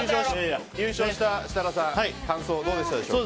優勝した設楽さん感想はどうでしょうか。